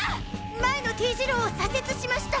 前のＴ字路を左折しました！